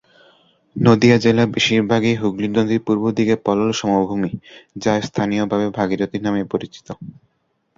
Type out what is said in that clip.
নদিয়া জেলা বেশিরভাগই হুগলী নদীর পূর্বদিকে পলল সমভূমি, যা স্থানীয়ভাবে ভাগীরথী নামে পরিচিত।